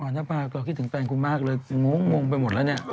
อ๋อนักบาลก็คิดถึงแฟนกูมากเลยงงไปหมดแล้วเนี่ย